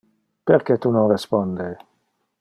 Perque tu non responde?